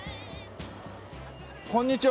こんにちは。